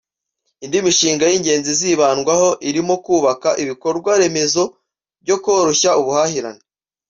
Indi mishinga y’ingenzi izibandwaho irimo kubaka ibikorwa remezo byo koroshya ubuhahirane